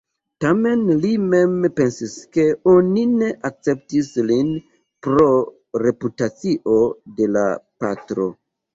Tamen li mem pensis ke oni ne akceptis lin pro reputacio de la patro.